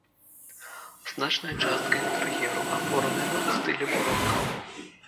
Значная частка інтэр'еру аформлена ў стылі барока.